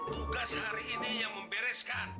tugas hari ini yang membereskan